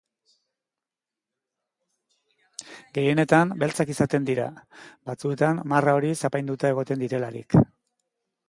Gehienetan beltzak izaten dira, batzuetan marra horiz apainduta egoten direlarik.